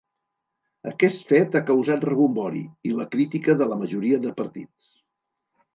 Aquest fet ha causat rebombori, i la crítica de la majoria de partits.